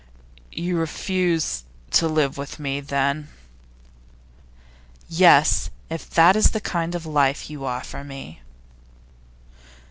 'You refuse to live with me, then?' 'Yes, if this is the kind of life you offer me.